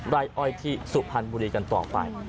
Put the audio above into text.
รายอ้อยที่สุพรรณบุรีต่อไป